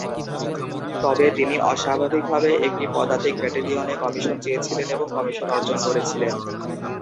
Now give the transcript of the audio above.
তবে, তিনি অস্বাভাবিকভাবে একটি পদাতিক ব্যাটালিয়নে কমিশন চেয়েছিলেন এবং কমিশন অর্জন করেছিলেন।